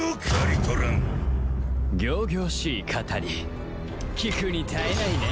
仰々しい語り聞くに堪えないね。